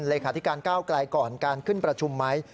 เลขาธิการก้าวไกลก่อนการขึ้นประชุมไหม